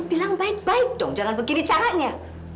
bilang baik baik dong jangan begini caranya